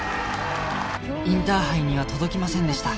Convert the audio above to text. インターハイには届きませんでした